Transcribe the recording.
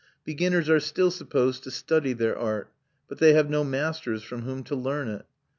Beginners are still supposed to study their art, but they have no masters from whom to learn it.